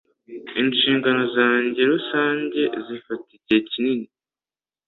Inshingano zanjye rusange zifata igihe kinini.